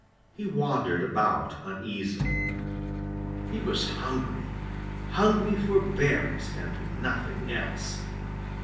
He wandered about uneasily. He was hungry hungry for berries and nothing else.